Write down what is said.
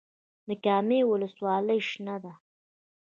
د کامې ولسوالۍ شنه ده